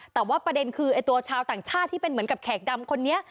แต่ว่าประเด็นคือไอ้ตัวชาวต่างชาติที่เป็นเหมือนกับแขกดำคนนี้